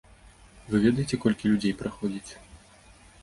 Вы ведаеце, колькі людзей праходзіць.